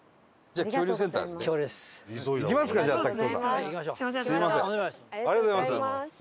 ありがとうございます。